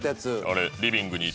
あれリビングに。